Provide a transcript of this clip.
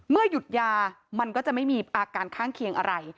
หยุดยามันก็จะไม่มีอาการข้างเคียงอะไร